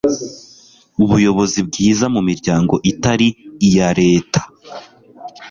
ubuyobozi bwiza mu miryango itari iya leta